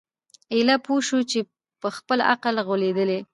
ایله پوه سو په خپل عقل غولیدلی